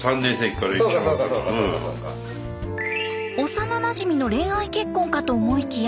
幼なじみの恋愛結婚かと思いきや。